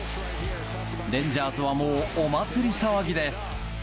レンジャーズはもうお祭り騒ぎです。